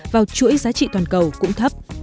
vào chuỗi giá trị toàn cầu cũng thấp